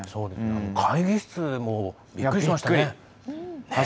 会議室もびっくりしましたね。